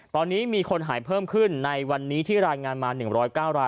ตอนนี้มีคนหายเพิ่มขึ้นในวันนี้ที่รายงานมา๑๐๙ราย